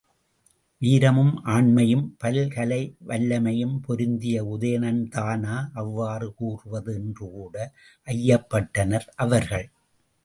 வீரமும் ஆண்மையும் பல்கலை வல்லமையும் பொருந்திய உதயணன்தானா அவ்வாறு கூறுவது? என்று கூட ஐயப்பட்டனர் அவர்கள்.